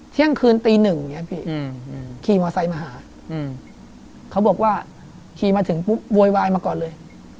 เที่ยงคืนตีหนึ่งอย่างนี้พี่ขี่มอไซค์มาหาเขาบอกว่าขี่มาถึงปุ๊บโวยวายมาก่อนเลย